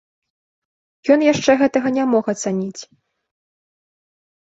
Ён яшчэ гэтага не мог ацаніць.